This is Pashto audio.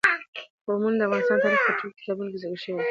قومونه د افغان تاریخ په ټولو کتابونو کې ذکر شوي دي.